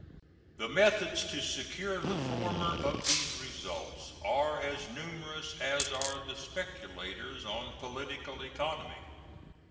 The methods to secure the former of these results are as numerous as are the speculators on political economy.